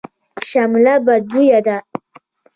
شمله بدبویه ده.